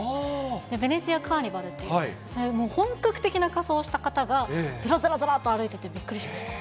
ベネチアカーニバルっていう、それもう、本格的な仮装をした方がずらずらずらっと歩いてて、びっくりしま